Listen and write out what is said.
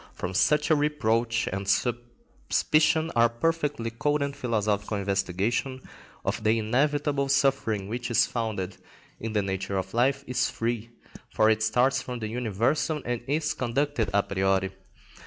From such a reproach and suspicion our perfectly cold and philosophical investigation of the inevitable suffering which is founded in the nature of life is free, for it starts from the universal and is conducted a priori.